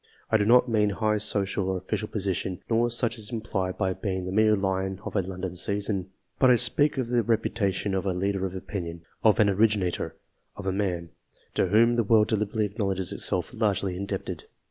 I do not mean high social or official position, nor such as is implied by being the mere lion of a London season ; but I speak of the reputation of a leader of opinion, of an originator, of a man to whom the world deliberately acknowledges itself largely indebted.